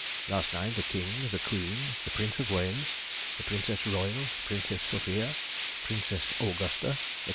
Last night the King, the Queen, the Prince of Wales, the Princess Royal, Princess Sophia, Princess Augusta, &c.